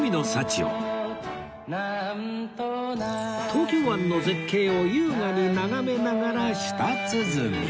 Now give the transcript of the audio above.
東京湾の絶景を優雅に眺めながら舌鼓